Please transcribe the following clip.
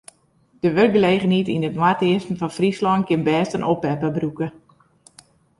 De wurkgelegenheid yn it noardeasten fan Fryslân kin bêst in oppepper brûke.